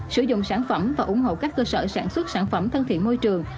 sử dụng sản phẩm và ủng hộ các cơ sở sản xuất sản phẩm thân thiện môi trường